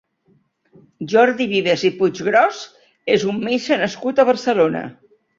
Jordi Vives i Puiggrós és un metge nascut a Barcelona.